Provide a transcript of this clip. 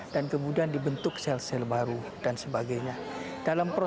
dan kemudian dibentuk sel sel baru dan sebagainya